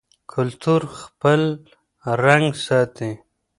کلتور خپل رنګ ساتي.